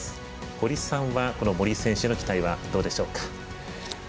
堀さんは、森選手への期待はどうでしょうか。